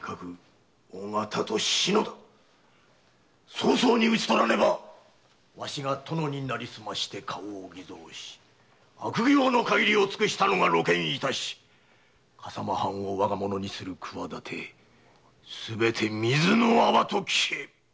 早々に討ち取らねばわしが殿になりすまして花押を偽造悪行の限りを尽くしたのが露見し笠間藩を我がものにする企てすべて水の泡と消える。